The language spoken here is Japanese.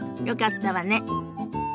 よかったわね。